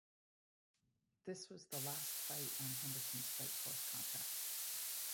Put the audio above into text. This was the last fight on Henderson's Strikeforce contract.